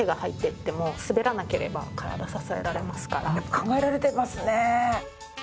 考えられてますね。